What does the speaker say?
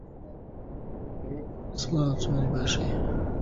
مامۆستا ڕەنگی زەرد هەڵگەڕا، هەر تفی قووت دەدا